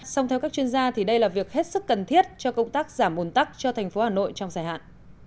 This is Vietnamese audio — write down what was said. song theo các chuyên gia thì đây là việc hết sức cần thiết cho công tác giảm ồn tắc cho thành phố hà nội trong dài hạn